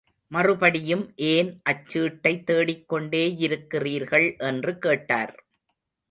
மறுபடியும் ஏன் அச்சீட்டை தேடிக் கொண்டே யிருக்கிறீர்கள் என்று கேட்டார்.